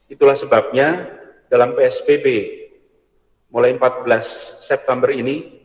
itulah sebabnya dalam psbb mulai empat belas september ini